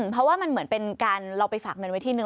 เพราะว่ามันเหมือนเป็นการเราไปฝากเงินไว้ที่นึง